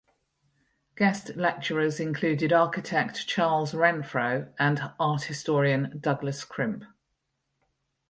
Guest lecturers included architect Charles Renfro and art historian Douglas Crimp.